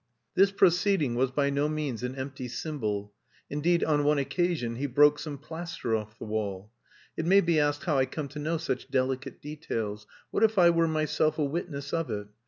This proceeding was by no means an empty symbol; indeed, on one occasion, he broke some plaster off the wall. It may be asked how I come to know such delicate details. What if I were myself a witness of it?